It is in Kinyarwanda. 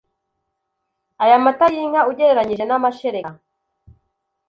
Aya mata y’inka ugereranyije n’amashereka